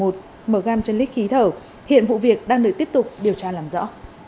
mg trên lít khí thở hiện vụ việc đang được tiếp tục điều tra làm rõ